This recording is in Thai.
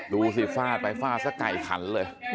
ดูสิฟาดไปฟาดซะไก่ขันเลย